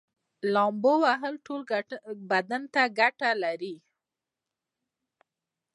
لامبو وهل ټول بدن ته ګټه لري